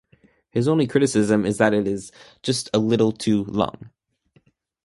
His only criticism is that it is "just a little too long".